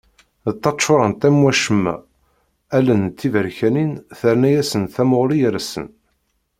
D taččurant am wacemma, allen d tiberkanin terna-asent tamuɣli yersen.